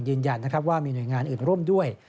ยืนยันนะครับว่ามีหน่วยงานอื่นร่วมด้วย